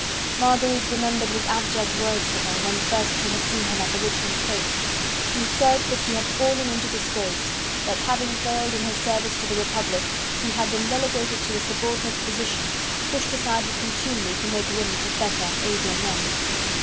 Marguerite remembered his abject words to her, when first she had seen him at the Richmond fete: he said that he had fallen into disgrace, that, having failed in his service to the Republic, he had been relegated to a subordinate position, pushed aside with contumely to make room for better, abler men.